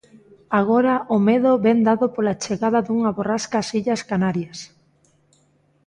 Agora o medo vén dado pola chegada dunha borrasca ás illas Canarias.